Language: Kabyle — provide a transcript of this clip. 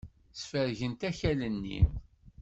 Sfergent akal-nni.